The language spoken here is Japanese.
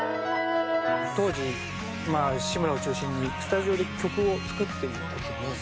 当時志村を中心にスタジオで曲を作っている時に。